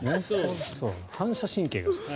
反射神経がいい。